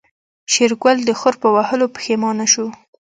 شېرګل د خور په وهلو پښېمانه شو.